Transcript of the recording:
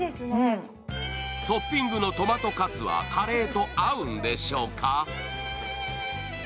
トッピングのトマトカツはカレーと合うんでしょうか。